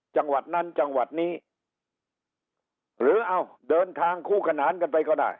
จังหวัดนั้นจังหวัดนี้หรือเอาเดินทางคู่ขนานกันไปก็ได้